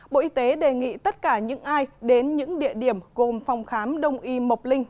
bộ y tế đề nghị tất cả những ai đến những địa điểm gồm phòng khám đông y mộc linh